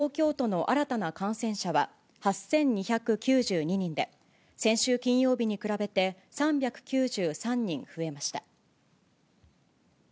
一方で、東京都の新たな感染者は８２９２人で、先週金曜日に比べて３９３人増えました。